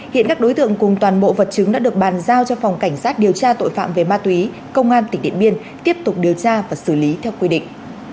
hiện các đối tượng cùng toàn bộ vật chứng đã được bàn giao cho phòng cảnh sát điều tra tội phạm về ma túy công an tỉnh điện biên tiếp tục điều tra và xử lý theo quy định